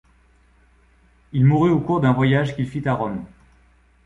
Il mourut au cours d'un voyage qu'il fit à Rome.